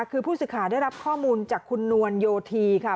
คือผู้ศึกษาได้รับข้อมูลจากคุณนวรโยธีค่ะ